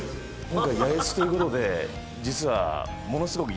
今回八重洲ということで実はものすごく。